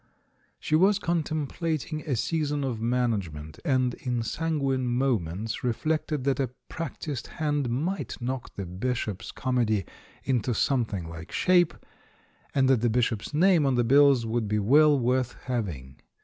She was contemplating a season of management, and in sanguine moments reflected that a prac tised hand might knock the Bishop's comedy into something like shape, and that the Bishop's name on the bills would be well worth having.